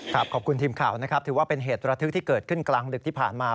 ขอบคุณทีมข่าวนะครับถือว่าเป็นเหตุระทึกที่เกิดขึ้นกลางดึกที่ผ่านมา